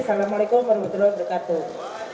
assalamu'alaikum warahmatullahi wabarakatuh